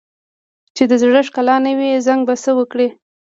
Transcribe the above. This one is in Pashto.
چې د زړه ښکلا نه وي، زنګ به څه وکړي؟